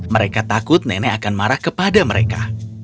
mereka takut nenek akan marah kepada mereka